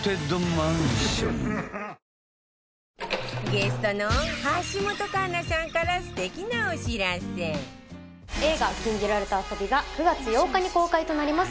ゲストの映画『禁じられた遊び』が９月８日に公開となります。